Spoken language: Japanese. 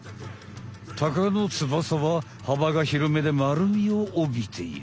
タカの翼ははばがひろめでまるみをおびている。